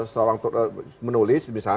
seorang menulis misalnya